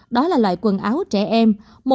đó là loại quần áo trẻ em